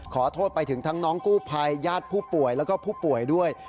ขอโทษไปถึงทั้งน้องกู้ภัยญาติผู้ป่วยแล้วก็ผู้ป่วยด้วย